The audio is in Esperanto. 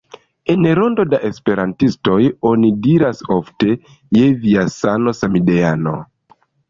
En rondo da esperantistoj oni diras ofte "je via sano, samideano"